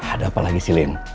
ada apa lagi sih lin